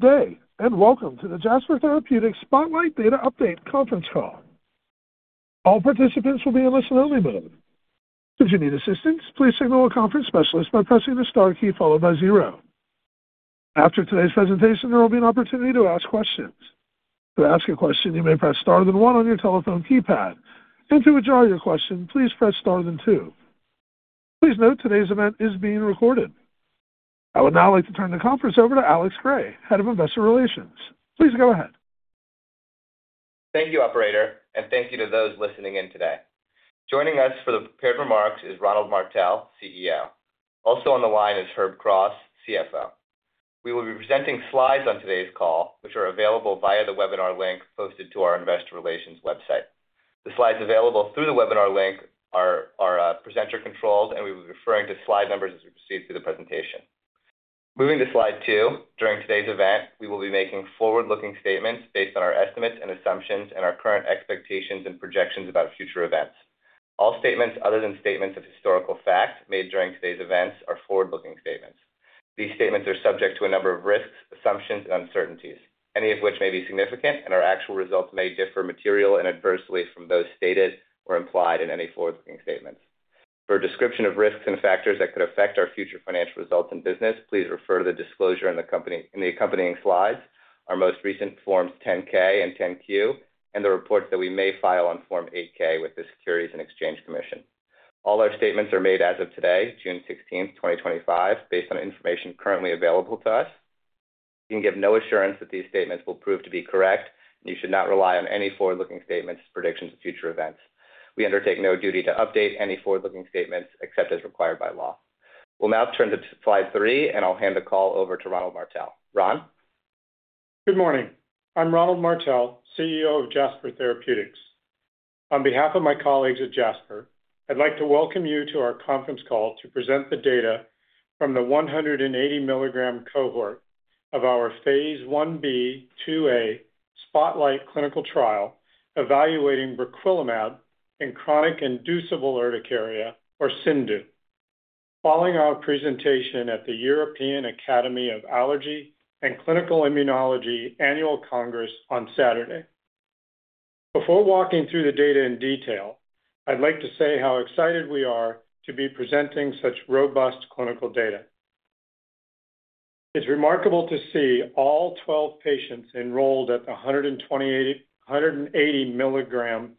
Good day, and welcome to the Jasper Therapeutics Spotlight Data Update Conference Call. All participants will be in a listen-only mode. If you need assistance, please signal a conference specialist by pressing the star key followed by zero. After today's presentation, there will be an opportunity to ask questions. To ask a question, you may press star then one on your telephone keypad, and to withdraw your question, please press star then two. Please note today's event is being recorded. I would now like to turn the conference over to Alex Gray, Head of Investor Relations. Please go ahead. Thank you, Operator, and thank you to those listening in today. Joining us for the prepared remarks is Ronald Martell, CEO. Also on the line is Herb Cross, CFO. We will be presenting slides on today's call, which are available via the webinar link posted to our Investor Relations website. The slides available through the webinar link are presenter controlled, and we will be referring to slide numbers as we proceed through the presentation. Moving to slide two, during today's event, we will be making forward-looking statements based on our estimates and assumptions and our current expectations and projections about future events. All statements other than statements of historical fact made during today's events are forward-looking statements. These statements are subject to a number of risks, assumptions, and uncertainties, any of which may be significant, and our actual results may differ materially and adversely from those stated or implied in any forward-looking statements. For a description of risks and factors that could affect our future financial results and business, please refer to the disclosure in the accompanying slides, our most recent Forms 10-K and 10-Q, and the reports that we may file on Form 8-K with the Securities and Exchange Commission. All our statements are made as of today, June 16th, 2025, based on information currently available to us. We can give no assurance that these statements will prove to be correct, and you should not rely on any forward-looking statements or predictions of future events. We undertake no duty to update any forward-looking statements except as required by law. We'll now turn to slide three, and I'll hand the call over to Ronald Martell. Ron? Good morning. I'm Ronald Martell, CEO of Jasper Therapeutics. On behalf of my colleagues at Jasper, I'd like to welcome you to our conference call to present the data from the 180 mg cohort of our phase 1b, 2a Spotlight clinical trial evaluating briquilimab in chronic inducible urticaria, or CINDU, following our presentation at the European Academy of Allergy and Clinical Immunology Annual Congress on Saturday. Before walking through the data in detail, I'd like to say how excited we are to be presenting such robust clinical data. It's remarkable to see all 12 patients enrolled at the 180 mg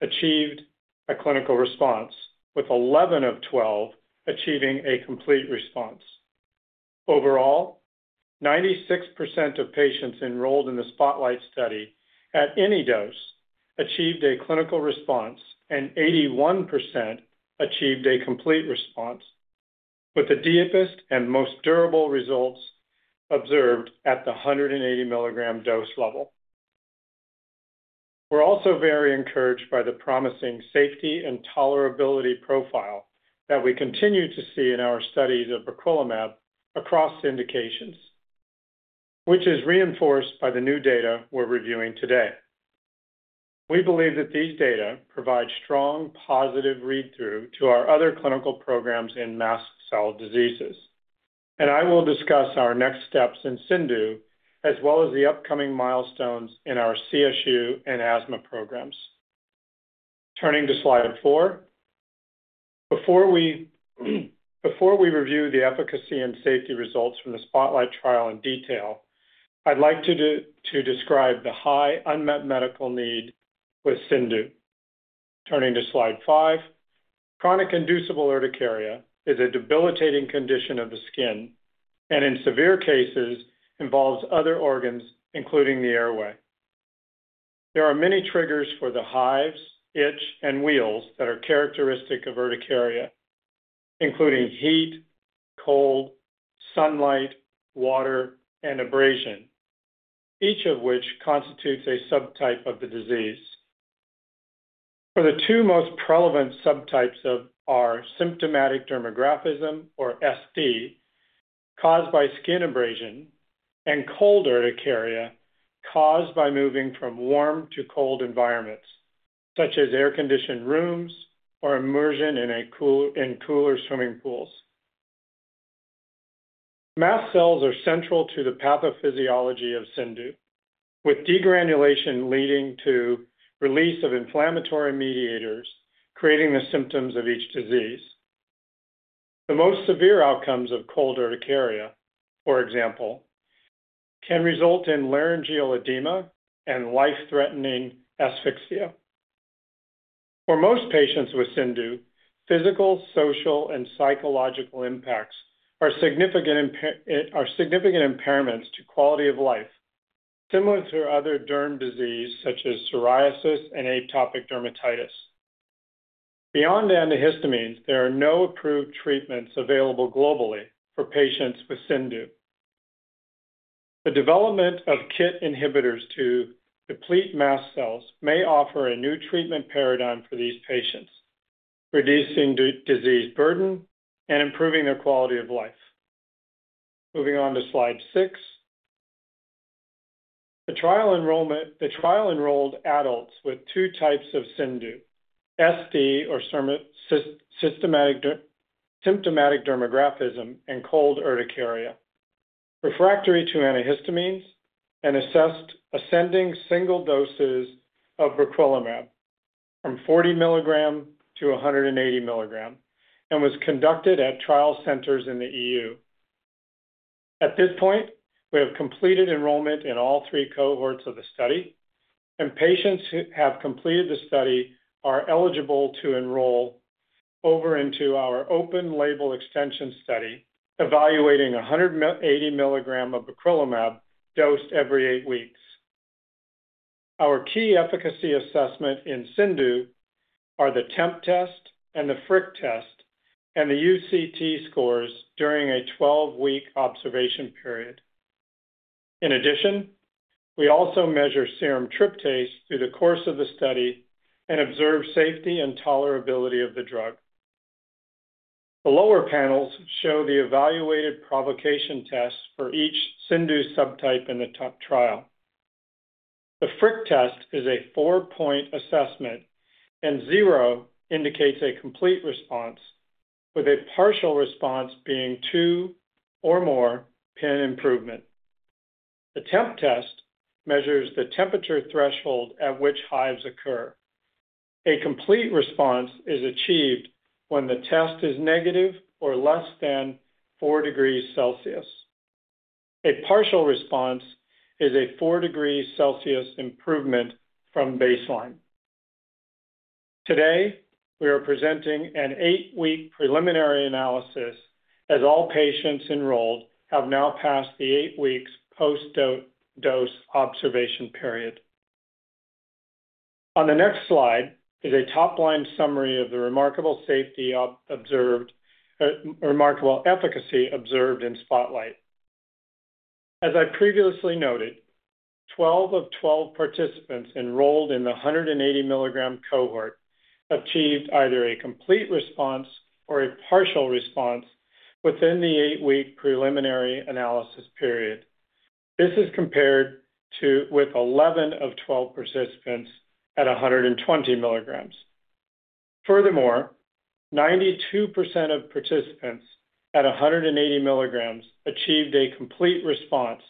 achieved a clinical response, with 11 of 12 achieving a complete response. Overall, 96% of patients enrolled in the Spotlight study at any dose achieved a clinical response, and 81% achieved a complete response, with the deepest and most durable results observed at the 180 mg dose level. We're also very encouraged by the promising safety and tolerability profile that we continue to see in our studies of briquilimab across indications, which is reinforced by the new data we're reviewing today. We believe that these data provide strong, positive read-through to our other clinical programs in mast cell diseases, and I will discuss our next steps in CINDU as well as the upcoming milestones in our CSU and asthma programs. Turning to slide four, before we review the efficacy and safety results from the Spotlight trial in detail, I'd like to describe the high unmet medical need with CINDU. Turning to slide five, chronic inducible urticaria is a debilitating condition of the skin and, in severe cases, involves other organs, including the airway. There are many triggers for the hives, itch, and wheals that are characteristic of urticaria, including heat, cold, sunlight, water, and abrasion, each of which constitutes a subtype of the disease. For the two most prevalent subtypes are symptomatic dermographism, or SD, caused by skin abrasion, and cold urticaria caused by moving from warm to cold environments, such as air-conditioned rooms or immersion in cooler swimming pools. Mast cells are central to the pathophysiology of CINDU, with degranulation leading to release of inflammatory mediators creating the symptoms of each disease. The most severe outcomes of cold urticaria, for example, can result in laryngeal edema and life-threatening asphyxia. For most patients with CINDU, physical, social, and psychological impacts are significant impairments to quality of life, similar to other derm diseases such as psoriasis and atopic dermatitis. Beyond antihistamines, there are no approved treatments available globally for patients with CINDU. The development of KIT inhibitors to deplete mast cells may offer a new treatment paradigm for these patients, reducing disease burden and improving their quality of life. Moving on to slide six, the trial enrolled adults with two types of CINDU, SD, or symptomatic dermographism and cold urticaria, refractory to antihistamines, and assessed ascending single doses of briquilimab from 40 mg to 180 mg, and was conducted at trial centers in the EU. At this point, we have completed enrollment in all three cohorts of the study, and patients who have completed the study are eligible to enroll over into our open-label extension study evaluating 180 mg of briquilimab dosed every eight weeks. Our key efficacy assessment in CINDU are the temp test and the FRIC test and the UCT scores during a 12-week observation period. In addition, we also measure serum tryptase through the course of the study and observe safety and tolerability of the drug. The lower panels show the evaluated provocation tests for each CINDU subtype in the trial. The FRIC test is a four-point assessment, and zero indicates a complete response, with a partial response being two or more point improvement. The temp test measures the temperature threshold at which hives occur. A complete response is achieved when the test is negative or less than 4 degrees Celsius. A partial response is a 4 degrees Celsius improvement from baseline. Today, we are presenting an eight-week preliminary analysis as all patients enrolled have now passed the eight-week post-dose observation period. On the next slide is a top-line summary of the remarkable efficacy observed in Spotlight. As I previously noted, 12 of 12 participants enrolled in the 180 mg cohort achieved either a complete response or a partial response within the eight-week preliminary analysis period. This is compared with 11 of 12 participants at 120 mg. Furthermore, 92% of participants at 180 mg achieved a complete response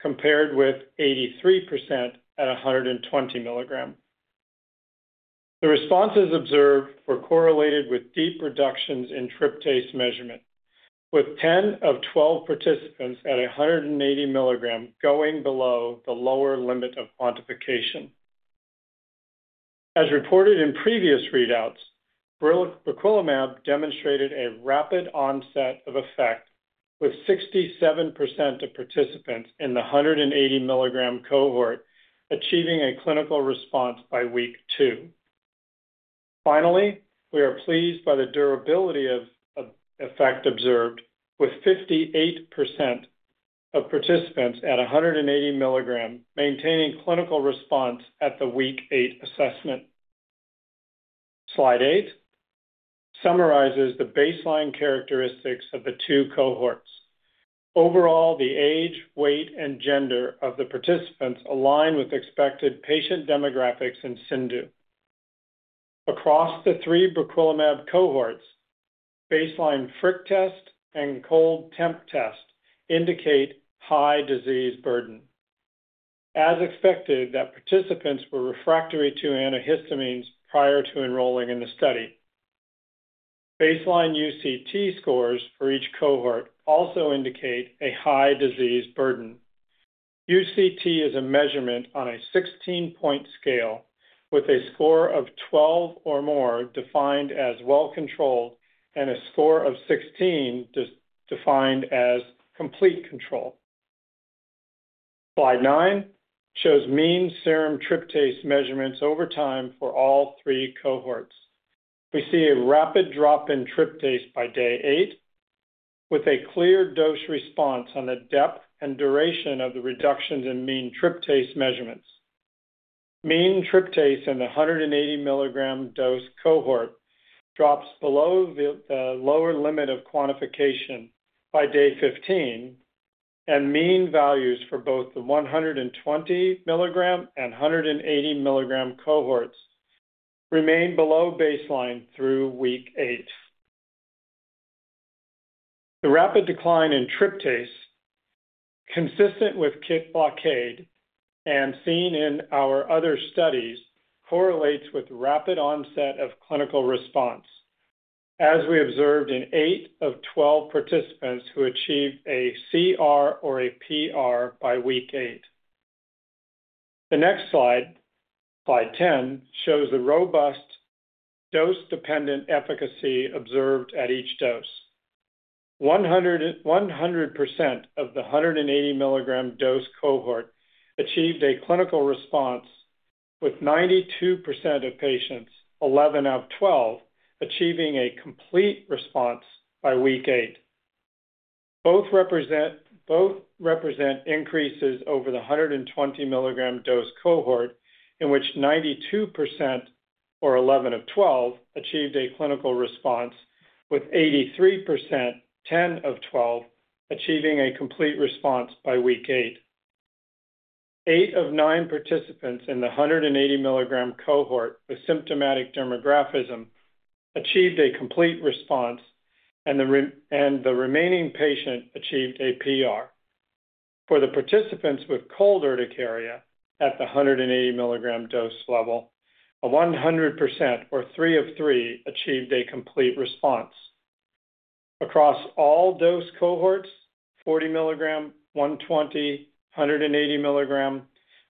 compared with 83% at 120 mg. The responses observed were correlated with deep reductions in tryptase measurement, with 10 of 12 participants at 180 mg going below the lower limit of quantification. As reported in previous readouts, briquilimab demonstrated a rapid onset of effect with 67% of participants in the 180 mg cohort achieving a clinical response by week two. Finally, we are pleased by the durability of effect observed with 58% of participants at 180 mg maintaining clinical response at the week eight assessment. Slide eight summarizes the baseline characteristics of the two cohorts. Overall, the age, weight, and gender of the participants align with expected patient demographics in CINDU. Across the three briquilimab cohorts, baseline FRIC test and cold temp test indicate high disease burden. As expected, the participants were refractory to antihistamines prior to enrolling in the study. Baseline UCT scores for each cohort also indicate a high disease burden. UCT is a measurement on a 16-point scale with a score of 12 or more defined as well controlled and a score of 16 defined as complete control. Slide nine shows mean serum tryptase measurements over time for all three cohorts. We see a rapid drop in tryptase by day eight with a clear dose response on the depth and duration of the reductions in mean tryptase measurements. Mean tryptase in the 180 mg dose cohort drops below the lower limit of quantification by day 15, and mean values for both the 120 mg and 180 mg cohorts remain below baseline through week eight. The rapid decline in tryptase, consistent with KIT blockade and seen in our other studies, correlates with rapid onset of clinical response as we observed in 8 of 12 participants who achieved a CR or a PR by week eight. The next slide, slide 10, shows the robust dose-dependent efficacy observed at each dose. 100% of the 180 mg dose cohort achieved a clinical response with 92% of patients, 11 of 12, achieving a complete response by week eight. Both represent increases over the 120 mg dose cohort in which 92%, or 11 of 12, achieved a clinical response with 83%, 10 of 12, achieving a complete response by week eight. Eight of nine participants in the 180 milligram cohort with symptomatic dermographism achieved a complete response, and the remaining patient achieved a PR. For the participants with cold urticaria at the 180 milligram dose level, 100%, or three of three, achieved a complete response. Across all dose cohorts, 40 milligram, 120, 180 milligram,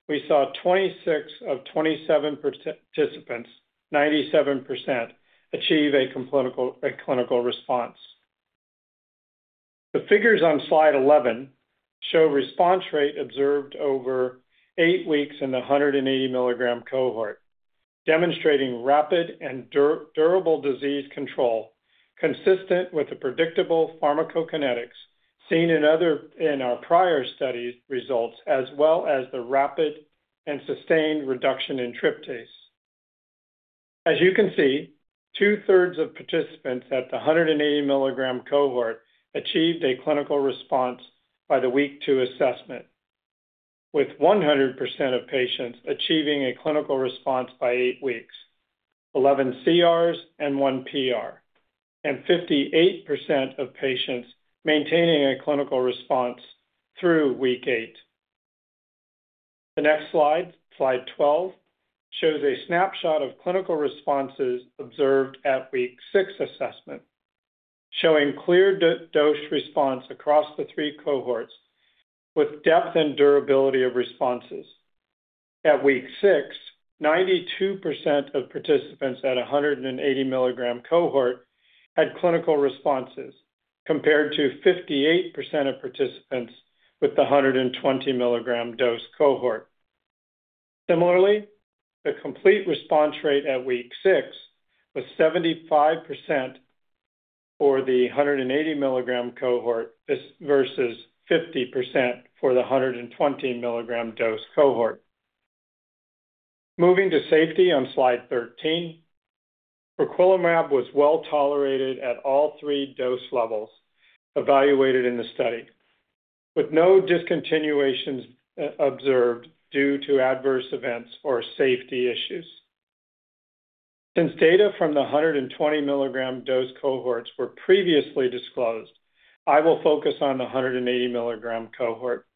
we saw 26 of 27 participants, 97%, achieve a clinical response. The figures on slide 11 show response rate observed over eight weeks in the 180 milligram cohort, demonstrating rapid and durable disease control consistent with the predictable pharmacokinetics seen in our prior study results as well as the rapid and sustained reduction in tryptase. As you can see, two-thirds of participants at the 180 mg cohort achieved a clinical response by the week two assessment, with 100% of patients achieving a clinical response by eight weeks, 11 CRs and one PR, and 58% of patients maintaining a clinical response through week eight. The next slide, slide 12, shows a snapshot of clinical responses observed at week six assessment, showing clear dose response across the three cohorts with depth and durability of responses. At week six, 92% of participants at a 180 mg cohort had clinical responses compared to 58% of participants with the 120 mg dose cohort. Similarly, the complete response rate at week six was 75% for the 180 mg cohort versus 50% for the 120 mg dose cohort. Moving to safety on slide 13, briquilimab was well tolerated at all three dose levels evaluated in the study, with no discontinuations observed due to adverse events or safety issues. Since data from the 120 mg dose cohorts were previously disclosed, I will focus on the 180 mg cohort.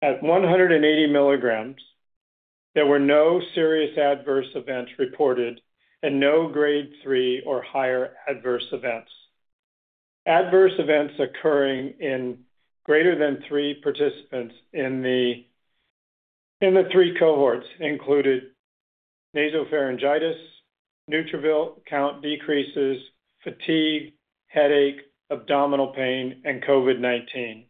At 180 mg, there were no serious adverse events reported and no grade three or higher adverse events. Adverse events occurring in greater than three participants in the three cohorts included nasopharyngitis, neutrophil count decreases, fatigue, headache, abdominal pain, and COVID-19.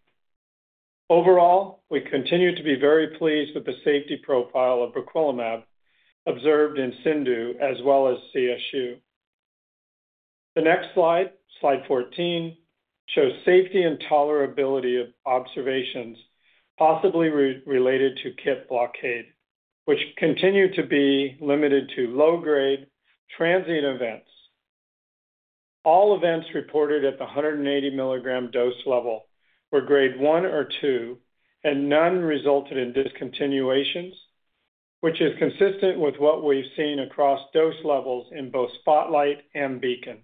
Overall, we continue to be very pleased with the safety profile of briquilimab observed in CINDU as well as CSU. The next slide, slide 14, shows safety and tolerability of observations possibly related to KIT blockade, which continue to be limited to low-grade transient events. All events reported at the 180-milligram dose level were grade one or two, and none resulted in discontinuations, which is consistent with what we've seen across dose levels in both Spotlight and Beacon.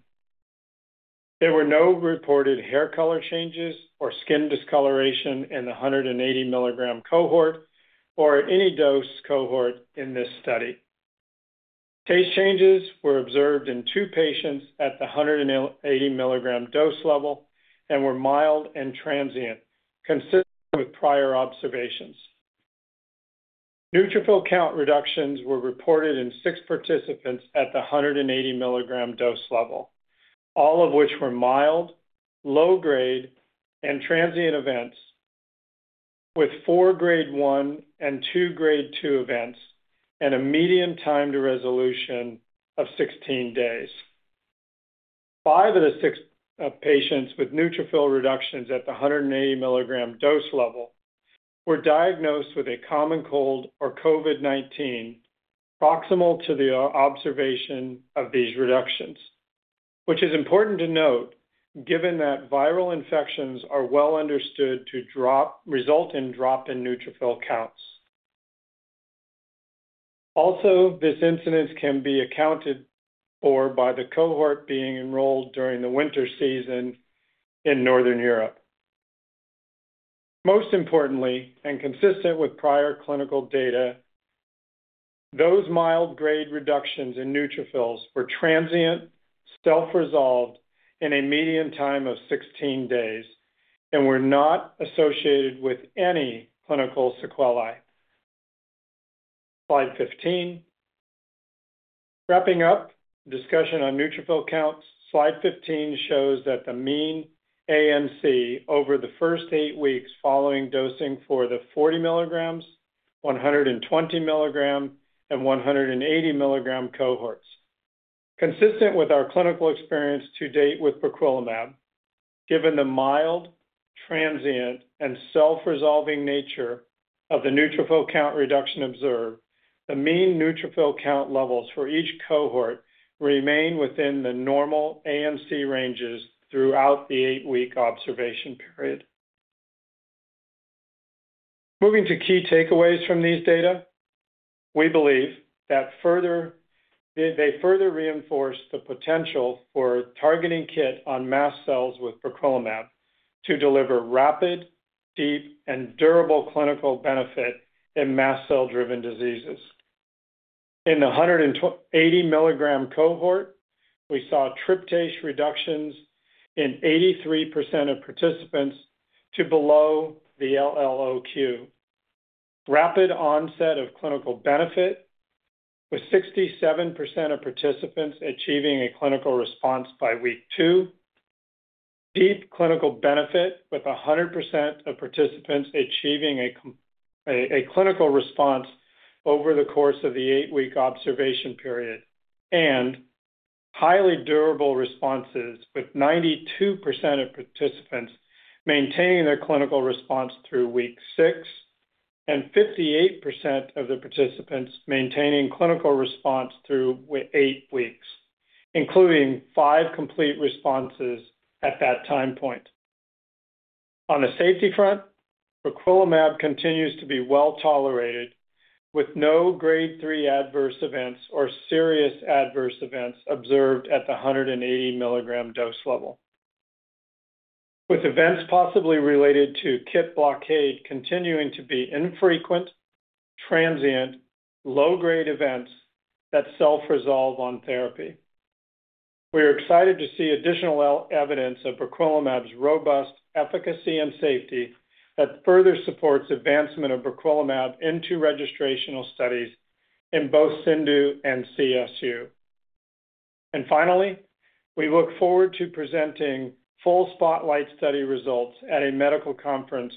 There were no reported hair color changes or skin discoloration in the 180-milligram cohort or at any dose cohort in this study. Taste changes were observed in two patients at the 180-milligram dose level and were mild and transient, consistent with prior observations. Neutrophil count reductions were reported in six participants at the 180-milligram dose level, all of which were mild, low-grade, and transient events with four grade one and two grade two events and a median time to resolution of 16 days. Five of the six patients with neutrophil reductions at the 180 mg dose level were diagnosed with a common cold or COVID-19 proximal to the observation of these reductions, which is important to note given that viral infections are well understood to result in drop in neutrophil counts. Also, this incidence can be accounted for by the cohort being enrolled during the winter season in Northern Europe. Most importantly, and consistent with prior clinical data, those mild grade reductions in neutrophils were transient, self-resolved in a median time of 16 days, and were not associated with any clinical sequelae. Slide 15. Wrapping up discussion on neutrophil counts, slide 15 shows that the mean ANC over the first eight weeks following dosing for the 40 mg, 120 mg, and 180 mg cohorts, consistent with our clinical experience to date with briquilimab. Given the mild, transient, and self-resolving nature of the neutrophil count reduction observed, the mean neutrophil count levels for each cohort remain within the normal ANC ranges throughout the eight-week observation period. Moving to key takeaways from these data, we believe that they further reinforce the potential for targeting KIT on mast cells with briquilimab to deliver rapid, deep, and durable clinical benefit in mast cell-driven diseases. In the 180 mg cohort, we saw tryptase reductions in 83% of participants to below the LLOQ. Rapid onset of clinical benefit with 67% of participants achieving a clinical response by week two. Deep clinical benefit with 100% of participants achieving a clinical response over the course of the eight-week observation period. Highly durable responses with 92% of participants maintaining their clinical response through week six and 58% of the participants maintaining clinical response through eight weeks, including five complete responses at that time point. On the safety front, briquilimab continues to be well tolerated with no grade three adverse events or serious adverse events observed at the 180 mg dose level, with events possibly related to KIT blockade continuing to be infrequent, transient, low-grade events that self-resolve on therapy. We are excited to see additional evidence of briquilimab's robust efficacy and safety that further supports advancement of briquilimab into registrational studies in both CINDU and CSU. Finally, we look forward to presenting full Spotlight study results at a medical conference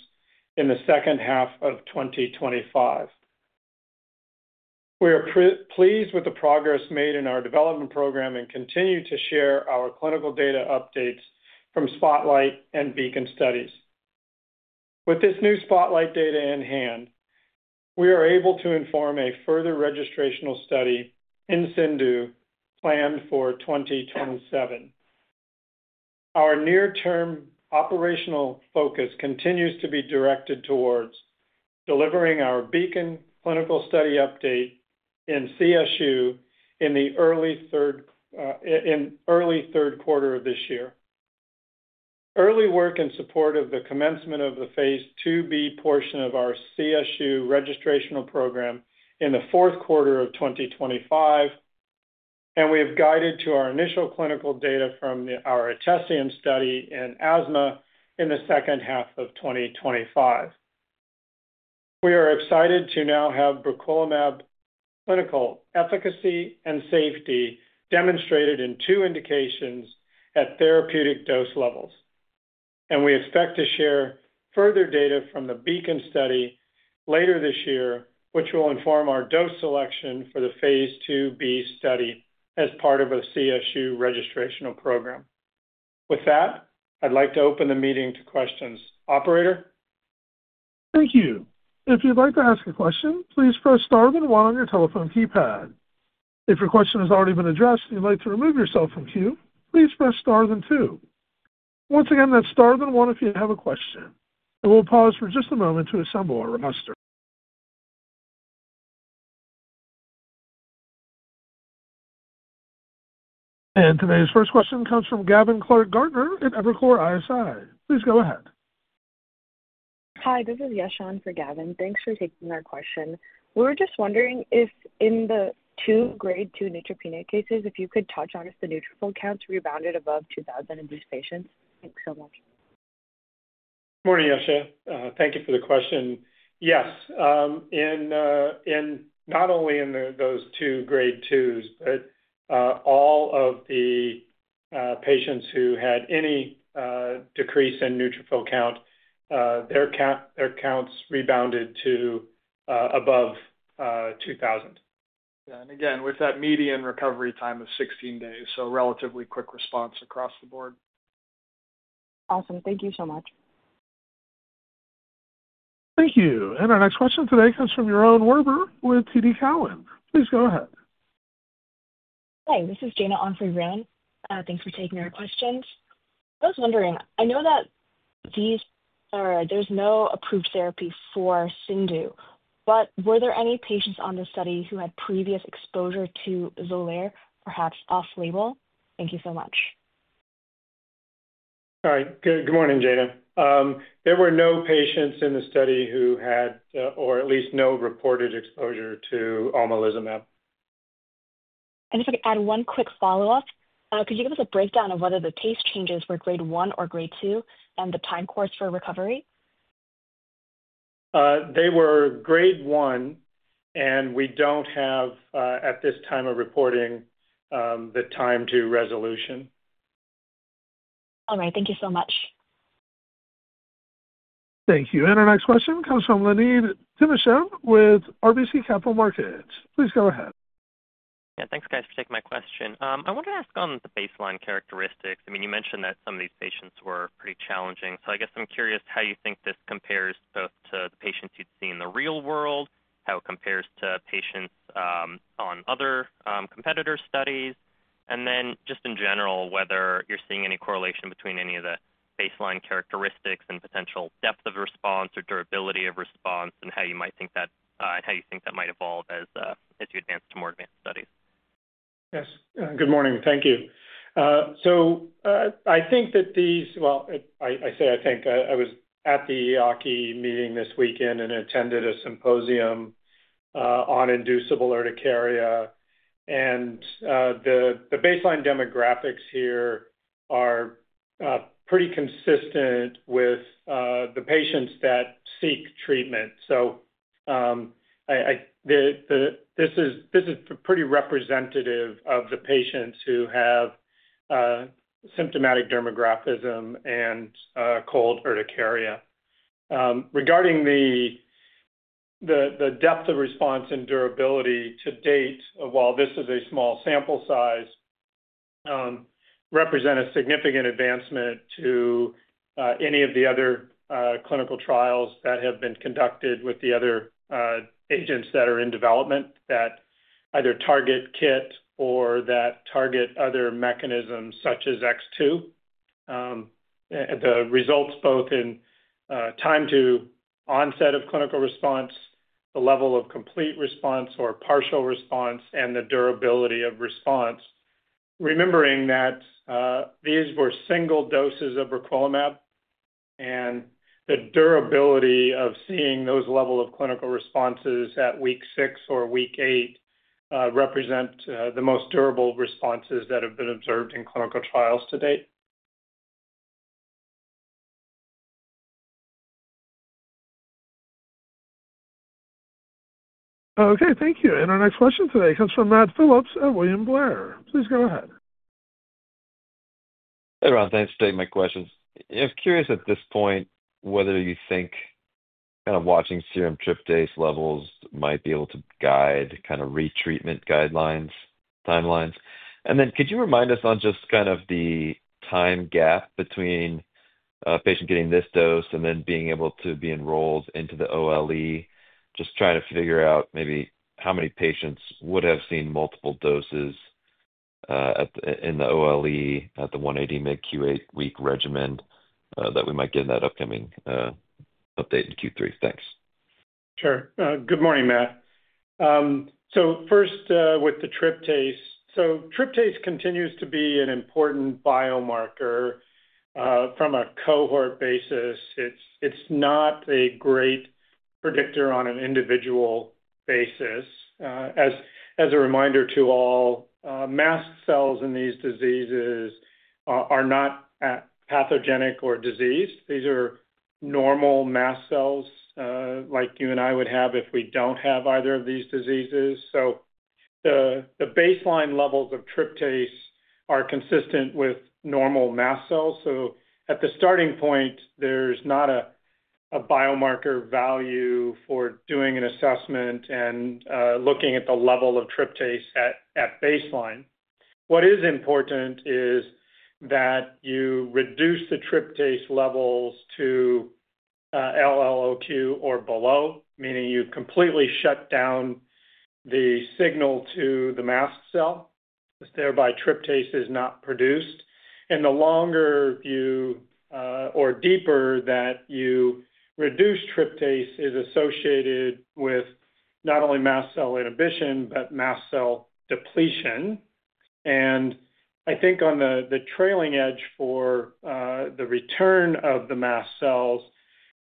in the second half of 2025. We are pleased with the progress made in our development program and continue to share our clinical data updates from Spotlight and Beacon studies. With this new Spotlight data in hand, we are able to inform a further registrational study in CINDU planned for 2027. Our near-term operational focus continues to be directed towards delivering our Beacon clinical study update in CSU in the early third quarter of this year. Early work in support of the commencement of the phase 2b portion of our CSU registrational program in the fourth quarter of 2025, and we have guided to our initial clinical data from our ATESIAM study in asthma in the second half of 2025. We are excited to now have briquilimab clinical efficacy and safety demonstrated in two indications at therapeutic dose levels. We expect to share further data from the Beacon study later this year, which will inform our dose selection for the phase 2b study as part of a CSU registrational program. With that, I'd like to open the meeting to questions. Operator? Thank you. If you'd like to ask a question, please press star then one on your telephone keypad. If your question has already been addressed and you'd like to remove yourself from queue, please press star then two. Once again, that's star then one if you have a question. We'll pause for just a moment to assemble our roster. Today's first question comes from Gavin Clark Gardner at Evercore ISI. Please go ahead. Hi, this is Yashan for Gavin. Thanks for taking our question. We were just wondering if in the two grade two neutropenia cases, if you could touch on if the neutrophil counts rebounded above 2,000 in these patients. Thanks so much. Good morning, Yashan. Thank you for the question. Yes. Not only in those two grade twos, but all of the patients who had any decrease in neutrophil count, their counts rebounded to above 2,000. Again, with that median recovery time of 16 days, so relatively quick response across the board. Awesome. Thank you so much. Thank you. Our next question today comes from Yaron Werber with TD Cowen. Please go ahead. Hi, this is Jana on for Yaron. Thanks for taking our questions. I was wondering, I know that there's no approved therapy for CINDU, but were there any patients on the study who had previous exposure to Xolair, perhaps off-label? Thank you so much. Sorry. Good morning, Jana. There were no patients in the study who had, or at least no reported exposure to omalizumab. If I could add one quick follow-up, could you give us a breakdown of whether the taste changes were grade one or grade two and the time course for recovery? They were grade one, and we do not have, at this time of reporting, the time to resolution. All right. Thank you so much. Thank you. Our next question comes from LeonidTimashev with RBC Capital Markets. Please go ahead. Yeah. Thanks, guys, for taking my question. I wanted to ask on the baseline characteristics. I mean, you mentioned that some of these patients were pretty challenging. I guess I'm curious how you think this compares both to the patients you'd see in the real world, how it compares to patients on other competitor studies, and then just in general, whether you're seeing any correlation between any of the baseline characteristics and potential depth of response or durability of response and how you might think that and how you think that might evolve as you advance to more advanced studies. Yes. Good morning. Thank you. I think that these—I say I think. I was at the EACI meeting this weekend and attended a symposium on inducible urticaria. The baseline demographics here are pretty consistent with the patients that seek treatment. This is pretty representative of the patients who have symptomatic dermographism and cold urticaria. Regarding the depth of response and durability to date, while this is a small sample size, it represents a significant advancement to any of the other clinical trials that have been conducted with the other agents that are in development that either target KIT or that target other mechanisms such as X2. The results, both in time to onset of clinical response, the level of complete response or partial response, and the durability of response, remembering that these were single doses of briquilimab, and the durability of seeing those levels of clinical responses at week six or week eight represent the most durable responses that have been observed in clinical trials to date. Okay. Thank you. Our next question today comes from Matt Phillips at William Blair. Please go ahead. Hey, Ron. Thanks for taking my questions. I'm curious at this point whether you think kind of watching serum tryptase levels might be able to guide kind of retreatment guidelines, timelines. And then could you remind us on just kind of the time gap between a patient getting this dose and then being able to be enrolled into the OLE, just trying to figure out maybe how many patients would have seen multiple doses in the OLE at the 180-mg Q8 week regimen that we might get in that upcoming update in Q3. Thanks. Sure. Good morning, Matt. So first with the tryptase. So tryptase continues to be an important biomarker from a cohort basis. It's not a great predictor on an individual basis. As a reminder to all, mast cells in these diseases are not pathogenic or diseased. These are normal mast cells like you and I would have if we don't have either of these diseases. The baseline levels of tryptase are consistent with normal mast cells. At the starting point, there's not a biomarker value for doing an assessment and looking at the level of tryptase at baseline. What is important is that you reduce the tryptase levels to LLOQ or below, meaning you completely shut down the signal to the mast cell. Thereby, tryptase is not produced. The longer you or deeper that you reduce tryptase is associated with not only mast cell inhibition but mast cell depletion. I think on the trailing edge for the return of the mast cells,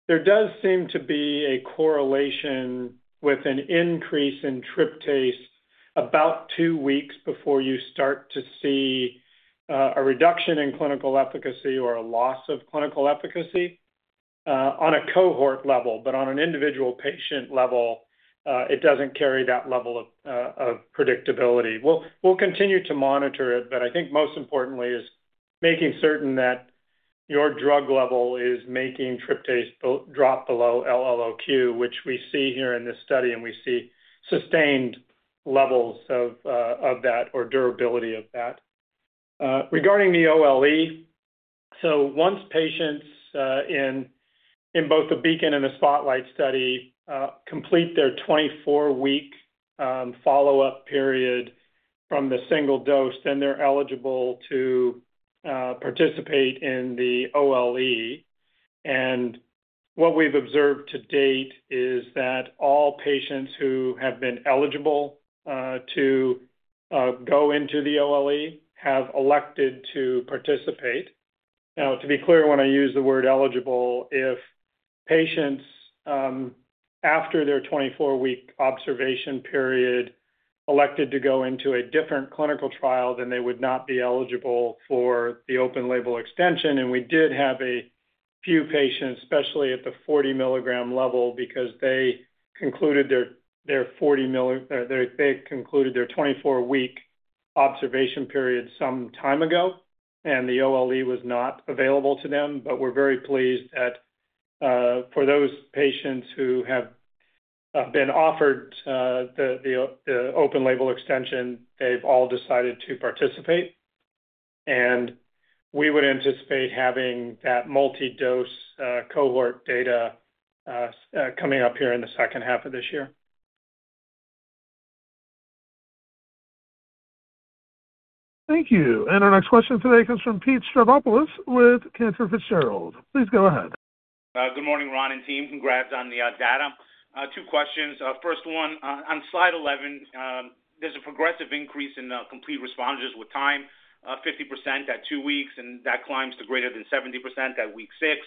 there does seem to be a correlation with an increase in tryptase about two weeks before you start to see a reduction in clinical efficacy or a loss of clinical efficacy on a cohort level. On an individual patient level, it doesn't carry that level of predictability. We'll continue to monitor it, but I think most importantly is making certain that your drug level is making tryptase drop below LLOQ, which we see here in this study, and we see sustained levels of that or durability of that. Regarding the OLE, once patients in both the Beacon and the Spotlight study complete their 24-week follow-up period from the single dose, they are eligible to participate in the OLE. What we've observed to date is that all patients who have been eligible to go into the OLE have elected to participate. Now, to be clear, when I use the word eligible, if patients after their 24-week observation period elected to go into a different clinical trial, they would not be eligible for the open-label extension. We did have a few patients, especially at the 40 mg level, because they concluded their 24-week observation period some time ago, and the OLE was not available to them. We are very pleased that for those patients who have been offered the open-label extension, they have all decided to participate. We would anticipate having that multi-dose cohort data coming up here in the second half of this year. Thank you. Our next question today comes from Pete Stravropoulos with Cantor Fitzgerald. Please go ahead. Good morning, Ron and team. Congrats on the data. Two questions. First one, on slide 11, there is a progressive increase in complete responses with time, 50% at two weeks, and that climbs to greater than 70% at week six.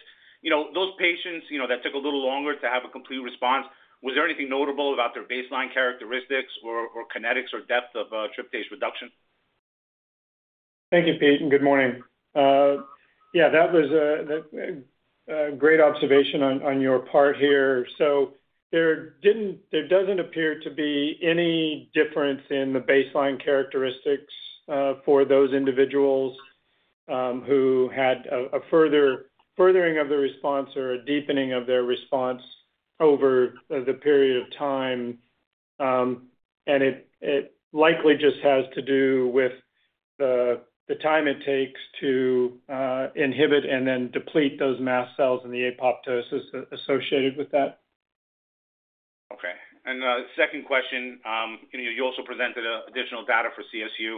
Those patients that took a little longer to have a complete response, was there anything notable about their baseline characteristics or kinetics or depth of tryptase reduction? Thank you, Pete. And good morning. Yeah, that was a great observation on your part here. There does not appear to be any difference in the baseline characteristics for those individuals who had a furthering of their response or a deepening of their response over the period of time. It likely just has to do with the time it takes to inhibit and then deplete those mast cells and the apoptosis associated with that. Okay. Second question, you also presented additional data for CSU.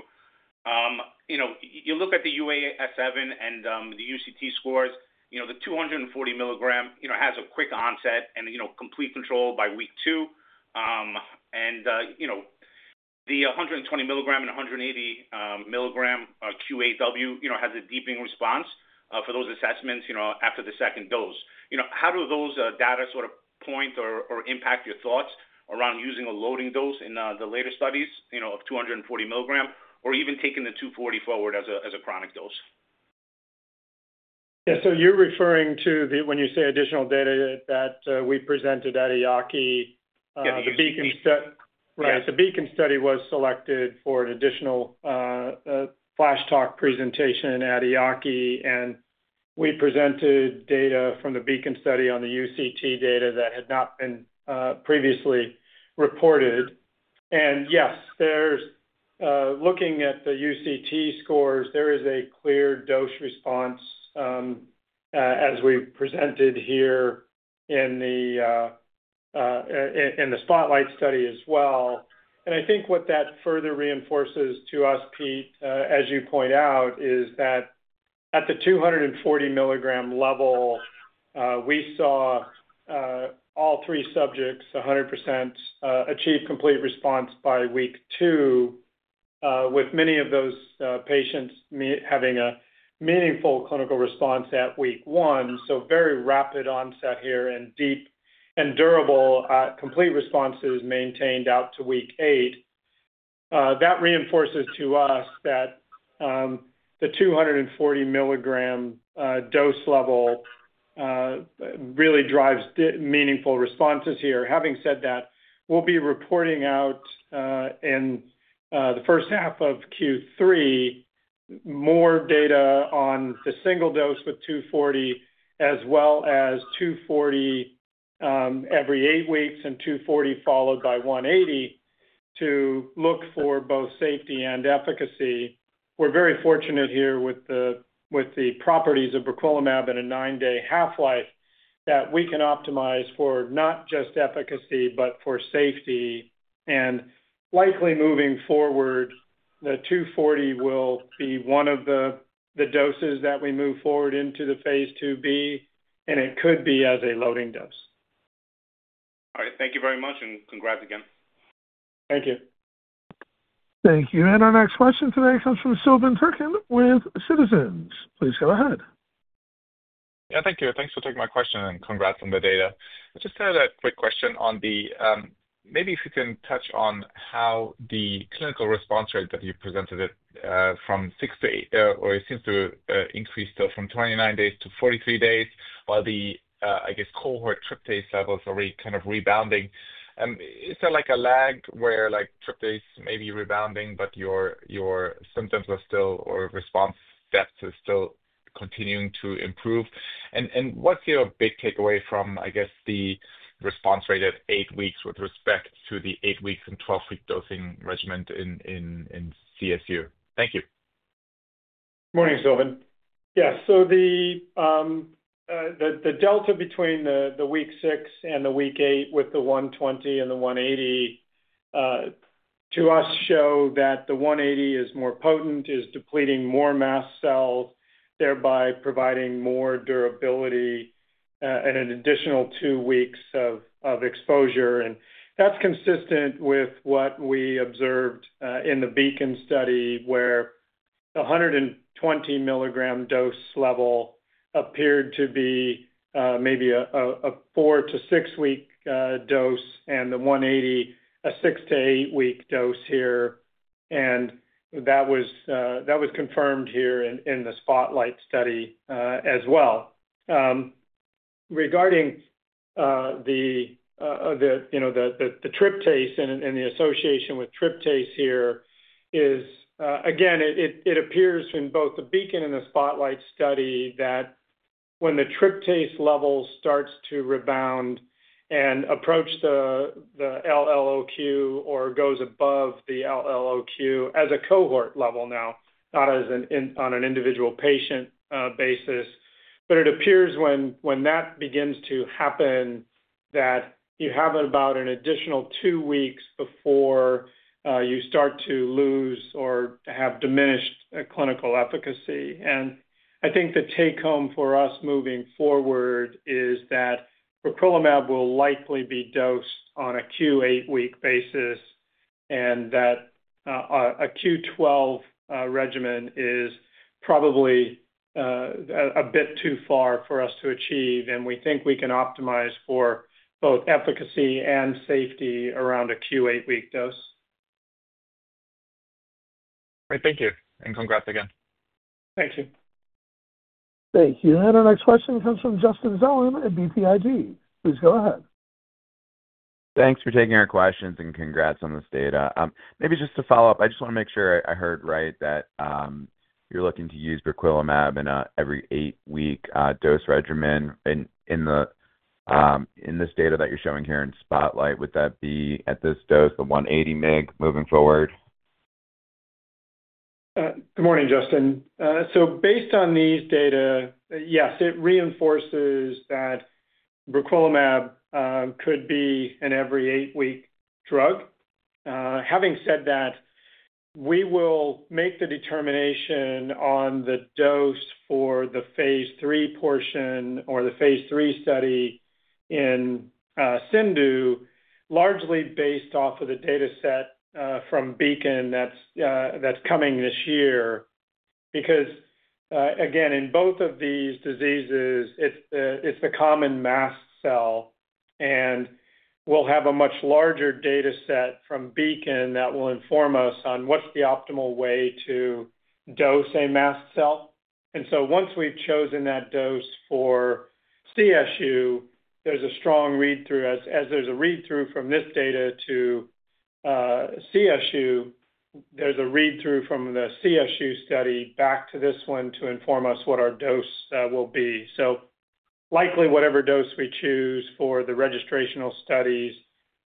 You look at the UAS7 and the UCT scores, the 240-milligram has a quick onset and complete control by week two. The 120-milligram and 180-milligram QAW has a deepening response for those assessments after the second dose. How do those data sort of point or impact your thoughts around using a loading dose in the later studies of 240-milligram or even taking the 240 forward as a chronic dose? Yeah. You are referring to when you say additional data that we presented at EACI. The Beacon study was selected for an additional flash talk presentation at EACI, and we presented data from the Beacon study on the UCT data that had not been previously reported. Yes, looking at the UCT scores, there is a clear dose response as we presented here in the Spotlight study as well. I think what that further reinforces to us, Pete, as you point out, is that at the 240 mg level, we saw all three subjects, 100%, achieve complete response by week two, with many of those patients having a meaningful clinical response at week one. Very rapid onset here and deep and durable complete responses maintained out to week eight. That reinforces to us that the 240 mg dose level really drives meaningful responses here. Having said that, we'll be reporting out in the first half of Q3 more data on the single dose with 240, as well as 240 every eight weeks and 240 followed by 180 to look for both safety and efficacy. We're very fortunate here with the properties of briquilimab and a nine-day half-life that we can optimize for not just efficacy but for safety. Likely moving forward, the 240 will be one of the doses that we move forward into the phase 2B, and it could be as a loading dose. All right. Thank you very much, and congrats again. Thank you. Thank you. Our next question today comes from Sylvan Thurkin with Citizens. Please go ahead. Yeah. Thank you. Thanks for taking my question and congrats on the data. I just had a quick question on the maybe if you can touch on how the clinical response rate that you presented it from six to eight, or it seems to increase from 29 days to 43 days, while the, I guess, cohort tryptase levels are already kind of rebounding. Is there a lag where tryptase may be rebounding, but your symptoms are still or response depth is still continuing to improve? What's your big takeaway from, I guess, the response rate at eight weeks with respect to the eight-week and 12-week dosing regimen in CSU? Thank you. Morning, Sylvan. Yes. The delta between the week six and the week eight with the 120 and the 180 to us show that the 180 is more potent, is depleting more mast cells, thereby providing more durability and an additional two weeks of exposure. That is consistent with what we observed in the Beacon study, where the 120-milligram dose level appeared to be maybe a four- to six-week dose and the 180 a six- to eight-week dose here. That was confirmed here in the Spotlight study as well. Regarding the tryptase and the association with tryptase here, again, it appears in both the Beacon and the Spotlight Trial that when the tryptase level starts to rebound and approach the LLOQ or goes above the LLOQ as a cohort level now, not on an individual patient basis, but it appears when that begins to happen that you have about an additional two weeks before you start to lose or have diminished clinical efficacy. I think the take home for us moving forward is that briquilimab will likely be dosed on a Q8-week basis and that a Q12 regimen is probably a bit too far for us to achieve. We think we can optimize for both efficacy and safety around a Q8-week dose. All right. Thank you. Congrats again. Thank you. Thank you. Our next question comes from Justin Zellam at VPID. Please go ahead. Thanks for taking our questions and congrats on this data. Maybe just to follow up, I just want to make sure I heard right that you're looking to use briquilimab in an every eight-week dose regimen. In this data that you're showing here in Spotlight, would that be at this dose, the 180 mg, moving forward? Good morning, Justin. Based on these data, yes, it reinforces that briquilimab could be an every eight-week drug. Having said that, we will make the determination on the dose for the phase three portion or the phase three study in CINDU, largely based off of the dataset from Beacon that's coming this year. Because, again, in both of these diseases, it's the common mast cell. And we'll have a much larger dataset from Beacon that will inform us on what's the optimal way to dose a mast cell. Once we've chosen that dose for CSU, there's a strong read-through. As there's a read-through from this data to CSU, there's a read-through from the CSU study back to this one to inform us what our dose will be. Likely, whatever dose we choose for the registrational studies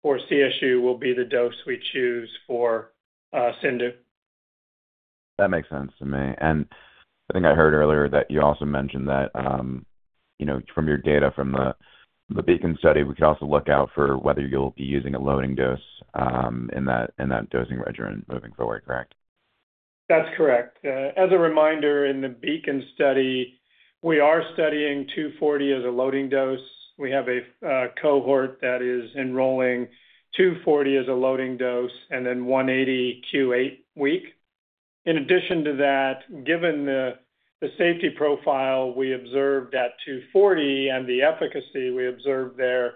for CSU will be the dose we choose for SINDU. That makes sense to me. I think I heard earlier that you also mentioned that from your data from the Beacon study, we could also look out for whether you'll be using a loading dose in that dosing regimen moving forward, correct? That's correct. As a reminder, in the Beacon study, we are studying 240 as a loading dose. We have a cohort that is enrolling 240 as a loading dose and then 180 Q8-week. In addition to that, given the safety profile we observed at 240 and the efficacy we observed there,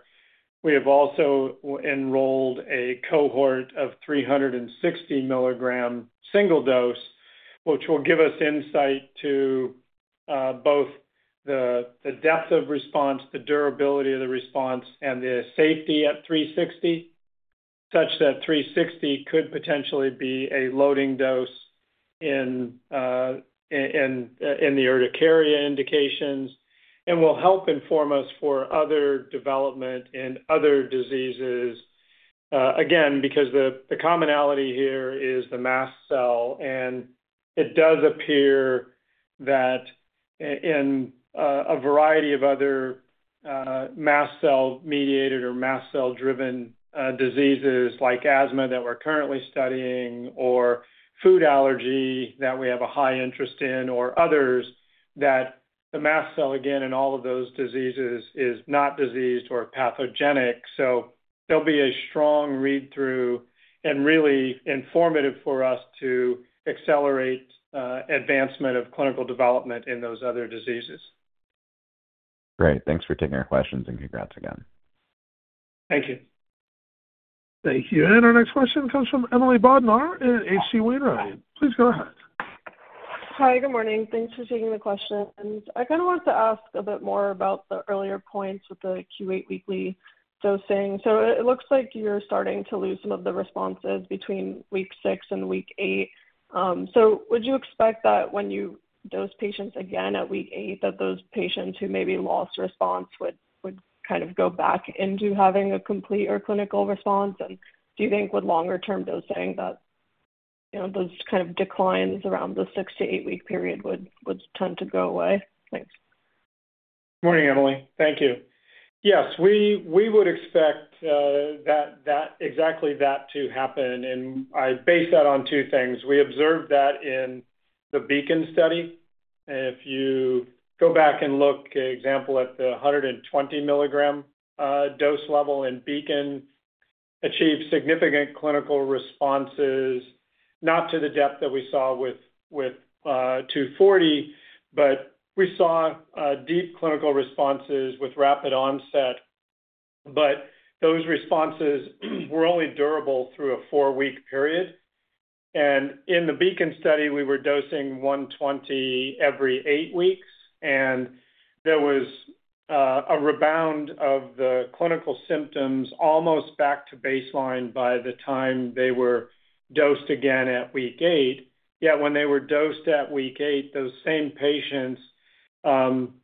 we have also enrolled a cohort of 360-milligram single dose, which will give us insight to both the depth of response, the durability of the response, and the safety at 360, such that 360 could potentially be a loading dose in the urticaria indications. It will help inform us for other development in other diseases, again, because the commonality here is the mast cell. It does appear that in a variety of other mast cell-mediated or mast cell-driven diseases like asthma that we're currently studying or food allergy that we have a high interest in or others, that the mast cell, again, in all of those diseases, is not diseased or pathogenic. There'll be a strong read-through and really informative for us to accelerate advancement of clinical development in those other diseases. Great. Thanks for taking our questions and congrats again. Thank you. Thank you. Our next question comes from Emily Bodnar at H.C. Wainwright. Please go ahead. Hi. Good morning. Thanks for taking the question. I kind of wanted to ask a bit more about the earlier points with the Q8-weekly dosing. It looks like you're starting to lose some of the responses between week six and week eight. Would you expect that when you dose patients again at week eight, those patients who maybe lost response would kind of go back into having a complete or clinical response? Do you think with longer-term dosing, those kind of declines around the six to eight-week period would tend to go away? Thanks. Morning, Emily. Thank you. Yes. We would expect exactly that to happen. I base that on two things. We observed that in the Beacon study. If you go back and look, for example, at the 120-milligram dose level in Beacon, it achieved significant clinical responses, not to the depth that we saw with 240, but we saw deep clinical responses with rapid onset. Those responses were only durable through a four-week period. In the Beacon study, we were dosing 120 every eight weeks. There was a rebound of the clinical symptoms almost back to baseline by the time they were dosed again at week eight. Yet when they were dosed at week eight, those same patients,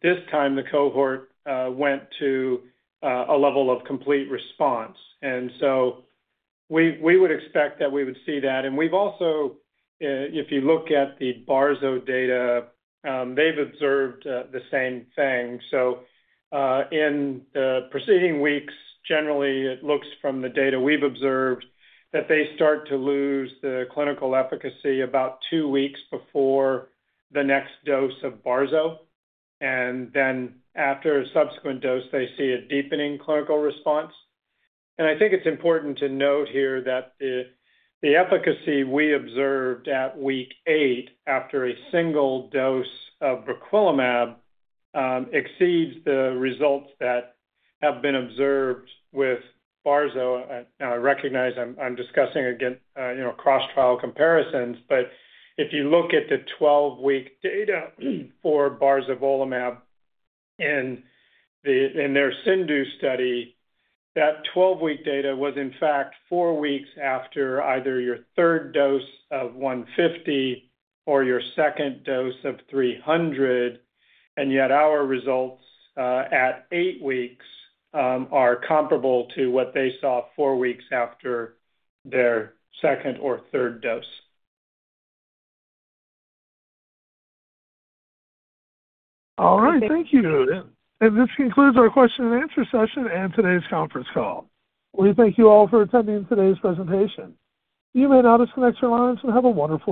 this time the cohort went to a level of complete response. We would expect that we would see that. If you look at the barzolvolimab data, they've observed the same thing. In the preceding weeks, generally, it looks from the data we've observed that they start to lose the clinical efficacy about two weeks before the next dose of barzolvolimab. After a subsequent dose, they see a deepening clinical response. I think it's important to note here that the efficacy we observed at week eight after a single dose of briquilimab exceeds the results that have been observed with barzolvolimab. I recognize I'm discussing cross-trial comparisons. If you look at the 12-week data for barzolvolimab in their CINDU study, that 12-week data was, in fact, four weeks after either your third dose of 150 or your second dose of 300. Yet our results at eight weeks are comparable to what they saw four weeks after their second or third dose. All right. Thank you. This concludes our question-and-answer session and today's conference call. We thank you all for attending today's presentation. You may now disconnect your lines and have a wonderful day.